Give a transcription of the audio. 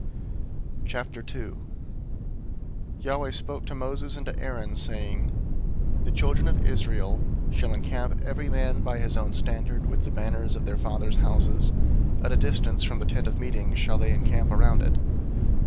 002:001 Yahweh spoke to Moses and to Aaron, saying, 002:002 "The children of Israel shall encamp every man by his own standard, with the banners of their fathers' houses: at a distance from the tent of meeting shall they encamp around it."